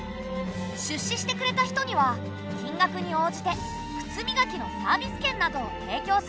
出資してくれた人には金額に応じて靴磨きのサービス券などを提供する仕組みだ。